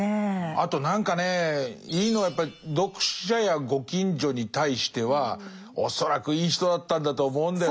あと何かねいいのはやっぱり読者やご近所に対しては恐らくいい人だったんだと思うんだよな。